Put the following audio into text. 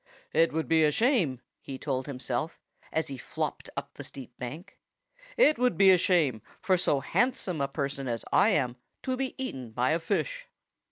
"It would be a shame " he told himself, as he flopped up the steep bank "it would be a shame for so handsome a person as I am to be eaten by a fish."